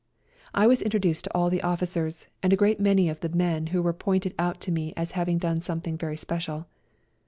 I was introduced to all the officers, and a great many of the men who were pointed out to me as having done something very special.